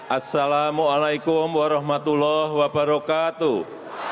assalamu'alaikum warahmatullahi wabarakatuh